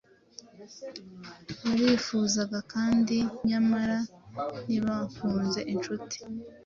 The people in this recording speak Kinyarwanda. Barifuzaga kandi nyamara ntibakunze inshuti-